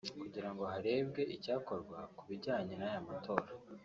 kugira ngo harebwe icyakorwa ku bijyanye n’aya matora